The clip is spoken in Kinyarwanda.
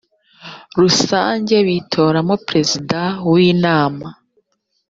rusange bitoramo prezida w inama